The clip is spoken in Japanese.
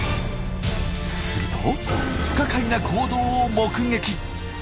すると不可解な行動を目撃。